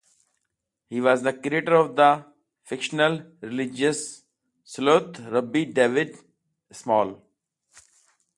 He was the creator of the fictional religious sleuth Rabbi David Small.